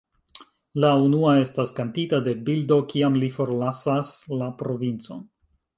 La unua estas kantita de Bildo kiam li forlasas La Provincon.